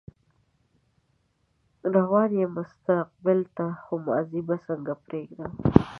روان يم مستقبل ته خو ماضي به څنګه پرېږدم